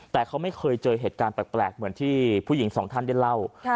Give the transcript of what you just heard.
แต่เขาไม่เคยเจอเหตุการณ์แปลกเหมือนที่ผู้หญิงสองท่านได้เล่า